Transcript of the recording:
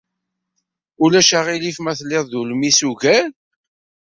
Ulac aɣilif ma telliḍ d ulmis ugar?